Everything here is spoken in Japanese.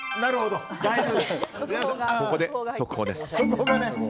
ここで、速報です。